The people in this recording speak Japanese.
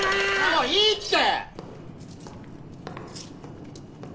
もういいって！